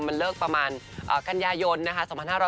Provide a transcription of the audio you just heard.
มันเลิกประมาณกันยายนนะคะ